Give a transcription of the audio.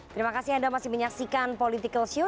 terima kasih anda masih menyaksikan political show